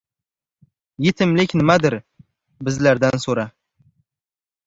Etimlik nimadir — bizlardan so‘ra